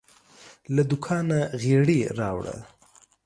له دوکانه غیړي راوړه